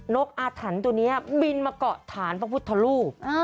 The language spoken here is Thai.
กอาถรรพ์ตัวนี้บินมาเกาะฐานพระพุทธรูป